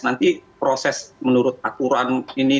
nanti proses menurut aturan ini